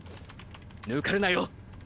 ぬかるなよ。